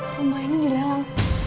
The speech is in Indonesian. rumah ini di dalam